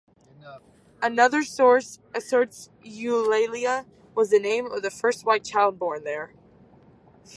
Another source asserts Eulalia was the name of the first white child born there.